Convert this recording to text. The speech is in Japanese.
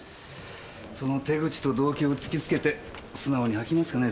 その手口と動機を突きつけて素直に吐きますかね？